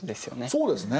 そうですね。